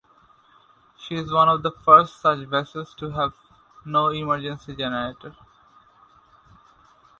She is one of the first such vessels to have no emergency generator.